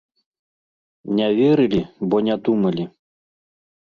Не верылі, бо не думалі.